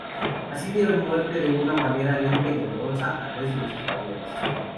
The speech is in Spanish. Así dieron muerte de una manera lenta y dolorosa a tres de los españoles.